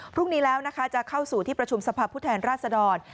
พรุ่งนี้แล้วนะคะจะเข้าสู่ที่ประชุมสภาพผู้แทนราชดร